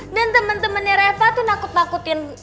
dan temen temennya reva tuh nakut nakutin